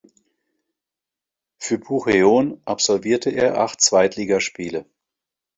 Für Bucheon absolvierte er acht Zweitligaspiele.